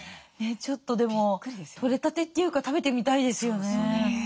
ちょっとでも取れたてっていうか食べてみたいですよね。